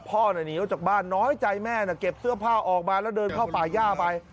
หนีออกจากบ้านน้อยใจแม่นะเก็บเสื้อผ้าออกมาแล้วเดินเข้าป่าย่าไป